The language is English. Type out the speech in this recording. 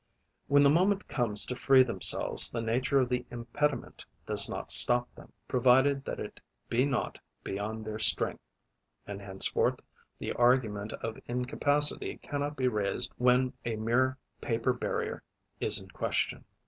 When the moment comes to free themselves, the nature of the impediment does not stop them, provided that it be not beyond their strength; and henceforth the argument of incapacity cannot be raised when a mere paper barrier is in question.